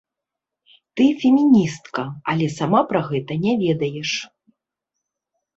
Ты феміністка, але сама пра гэта не ведаеш!